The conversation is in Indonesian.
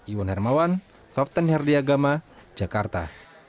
iwan hermawan soften herdiagama jakarta